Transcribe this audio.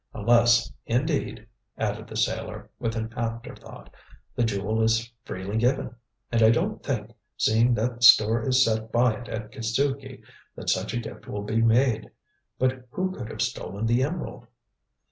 Unless, indeed," added the sailor, with an afterthought, "the jewel is freely given; and I don't think, seeing that store is set by it at Kitzuki, that such a gift will be made. But who could have stolen the emerald?"